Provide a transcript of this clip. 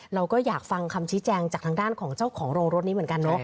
เราก็อยากฟังคำชี้แจงจากทางด้านของเจ้าของโรงรถนี้เหมือนกันเนอะ